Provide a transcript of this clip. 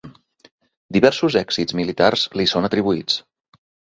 Diversos èxits militars li són atribuïts.